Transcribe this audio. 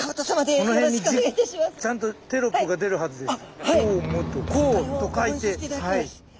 この辺にちゃんとテロップが出るはずです。